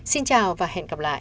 xin chào và hẹn gặp lại